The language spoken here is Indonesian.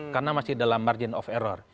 karena masih dalam margin of error